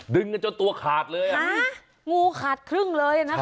ดึงกันจนตัวขาดเลยอ่ะงูขาดครึ่งเลยอ่ะนะคะ